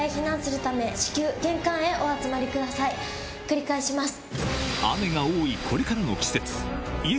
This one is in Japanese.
繰り返します。